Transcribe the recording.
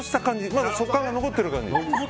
まだ食感が残ってる感じ。